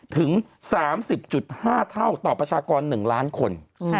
ถึง๓๐๕เท่าต่อประชากร๑ล้านคน